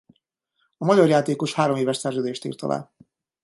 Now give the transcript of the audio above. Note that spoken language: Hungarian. A magyar játékos hároméves szerződést írt alá.